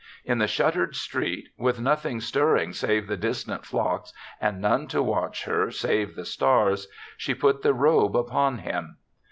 In the shuttered street, with 4iothing stirring save the distant flocks and none to watch her save the stars, she put the robe upon him.